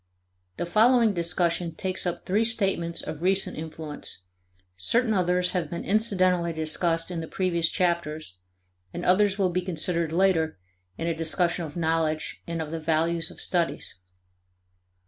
The following discussion takes up three statements of recent influence; certain others have been incidentally discussed in the previous chapters, and others will be considered later in a discussion of knowledge and of the values of studies.